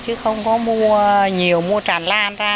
chứ không có mua nhiều mua tràn lan ra